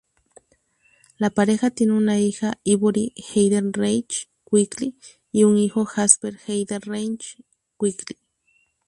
La pareja tiene una hija, Ivory Heidenreich Quigley, y un hijo, Jasper Heidenreich Quigley.